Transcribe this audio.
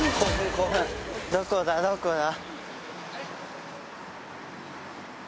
どこだどこだ？